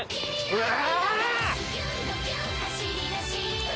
うわ